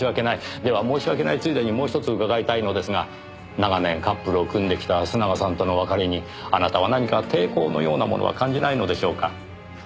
では申し訳ないついでにもうひとつ伺いたいのですが長年カップルを組んできた須永さんとの別れにあなたは何か抵抗のようなものは感じないのでしょうか？